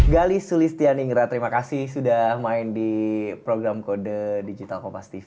gali sulistianingra terima kasih sudah main di program kode digital compas tv